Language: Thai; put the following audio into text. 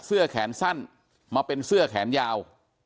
เสื้อแขนสั้นมาเป็นเสื้อแขนยาว